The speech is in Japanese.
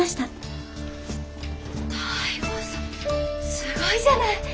すごいじゃない！